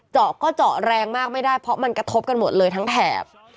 เจาะก็เจาะแรงมากไม่ได้เพราะมันกระทบกันหมดเลยทั้งแถบ